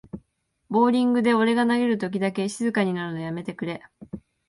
ボーリングで俺が投げるときだけ静かになるのやめてくれ